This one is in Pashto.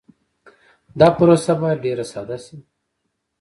دا پروسه باید ډېر ساده شي.